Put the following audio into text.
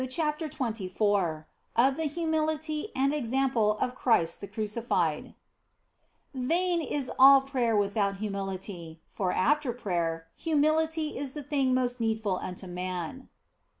CHAPTER XXIV OF THE HUMILITY AND EXAMPLE OF CHRIST THE CRUCIFIED VAIN is all prayer without humility ; for, after prayer, humility is the thing most needful unto man.